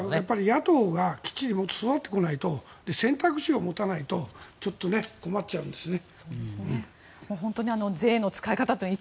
野党がもっときっちりもっと育ってこないとで、選択肢を持たないとちょっと困っちゃいますね。